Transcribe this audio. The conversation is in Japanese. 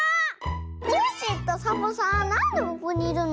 コッシーとサボさんなんでここにいるの？